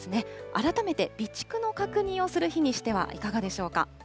改めて、備蓄の確認をする日にしてはいかがでしょうか。